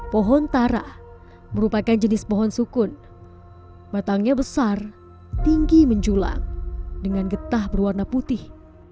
pohon tara merupakan jenis pohon sukun batangnya besar tinggi menjulang dengan getah berwarna putih